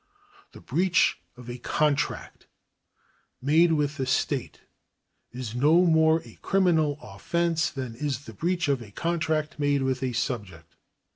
The breach of a contract made with the state is no more a criminal offence than is the breach of a contract made with a subject.